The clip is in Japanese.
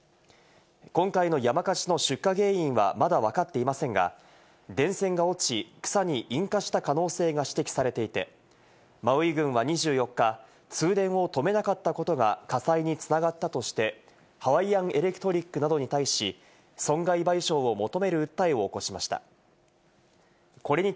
今回の山火事の出火原因は、まだわかっていませんが、電線が落ち、草に引火した可能性が指摘されていて、マウイ郡は２４日、通電を止めなかったことが火災に繋がったとして、ハワイアン・エレクトリックなどに対し、損害賠償を求める訴えを起こしました。